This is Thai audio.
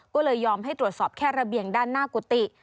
ก็เลยยอมให้ตรวจสอบแค่ระเบียงด้านหน้ากุฏิ